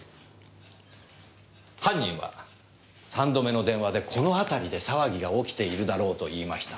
犯人は三度目の電話で「この辺りで騒ぎが起きているだろう」と言いました。